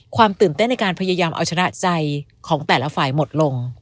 ความตื่นเต้นในการพยายามเอาชนะใจของแต่ละฝ่ายหมดลง